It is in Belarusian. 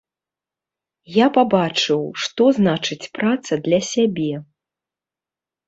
Я пабачыў, што значыць праца для сябе.